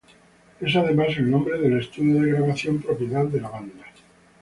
Es además el nombre del estudio de grabación propiedad de la banda.